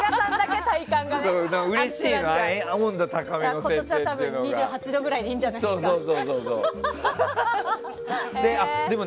今年は多分、２８度ぐらいでいいんじゃないですか。